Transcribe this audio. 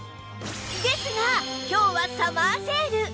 ですが今日はサマーセール！